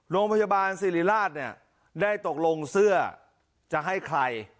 โรงพยาบาลสิริราชเนี่ยได้ตกลงเสื้อจะให้ใคร